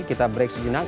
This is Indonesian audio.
kita break sejunak